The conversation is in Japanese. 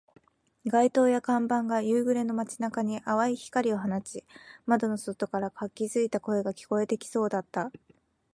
街灯や看板が夕暮れの街中に淡い光を放ち、窓の外から活気付いた声が聞こえてきそうだった